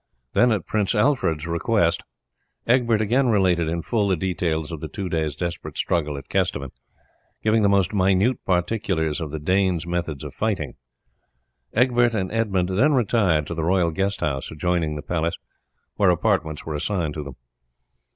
Then at Prince Alfred's request Egbert again related in full the details of the two days' desperate struggle at Kesteven, giving the most minute particulars of the Danes' method of fighting. Egbert and Edmund then retired to the royal guest house adjoining the palace, where apartments were assigned to them.